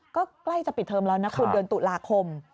ก็ใกล้จะปิดเทอมแล้วนะคุณเดือนตุลาคม